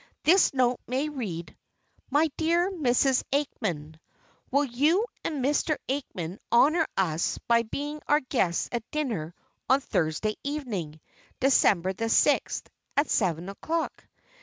This note may read: "My dear Mrs. Aikman: "Will you and Mr. Aikman honor us by being our guests at dinner on Thursday evening, December the sixth, at seven o'clock?